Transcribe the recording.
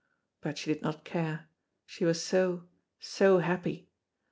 But she did not care, she was so so happy.